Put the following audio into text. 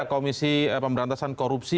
komisi pemberantasan korupsi